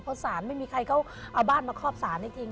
เพราะสารไม่มีใครเขาเอาบ้านมาครอบสารให้จริง